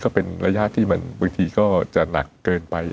ก็เป็นระยะที่มันบางทีก็จะหนักเกินไป